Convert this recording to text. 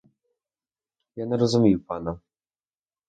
Я не розумію пана.